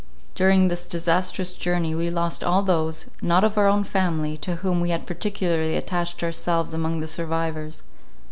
During this disastrous journey we lost all those, not of our own family, to whom we had particularly attached ourselves among the survivors.